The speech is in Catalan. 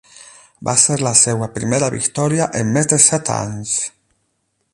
Va ser la seva primera victòria en més de set anys.